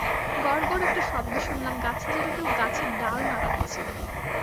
গরগর একটা শব্দ শুনলাম গাছে যেন কেউ গাছের ডাল নাড়াচ্ছে।